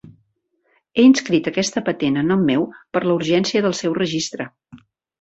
He inscrit aquesta patent a nom meu per la urgència del seu registre.